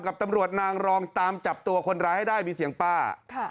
กับตำรวจนางรองตามจับตัวคนร้ายให้ได้มีเสียงป้า